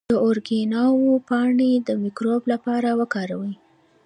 د اوریګانو پاڼې د مکروب لپاره وکاروئ